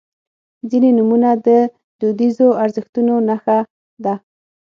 • ځینې نومونه د دودیزو ارزښتونو نښه ده.